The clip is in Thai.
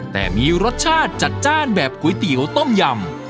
แต่มีรสชาติจัดจ้านแบบก๋วยเตี๋ยวต้มยำ